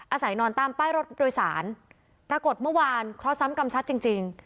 อาศัยนอนตามป้ายรถโดยสารปรากฏเมื่อวานเคราะห์ซ้ำกรรมซัดจริงจริง